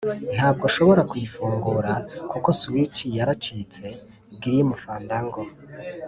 ntabwo nshobora kuyifungura, kuko switch yaracitse. grim_fandango